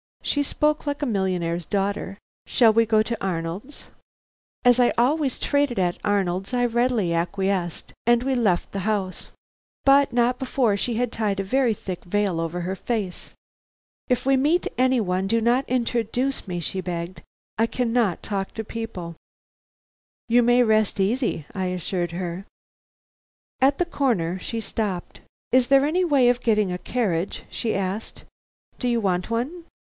She spoke like a millionaire's daughter. "Shall we go to Arnold's?" As I always traded at Arnold's, I readily acquiesced, and we left the house. But not before she had tied a very thick veil over her face. "If we meet any one, do not introduce me," she begged. "I cannot talk to people." "You may rest easy," I assured her. At the corner she stopped. "Is there any way of getting a carriage?" she asked. "Do you want one?"